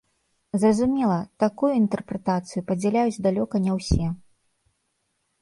Зразумела, такую інтэрпрэтацыю падзяляюць далёка не ўсё.